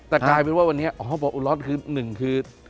แต่กลายเป็นว่าวันนี้อ๋อปักอุ่นร้อนคือ๑คือ